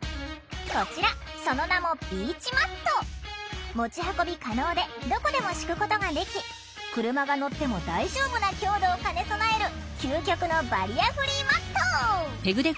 こちらその名も持ち運び可能でどこでも敷くことができ車が乗っても大丈夫な強度を兼ね備える究極のバリアフリーマット！